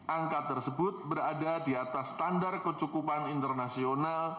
angka tersebut berada di atas standar kecukupan internasional